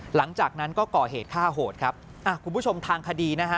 หลังจากนั้นก็ก่อเหตุฆ่าโหดครับอ่ะคุณผู้ชมทางคดีนะฮะ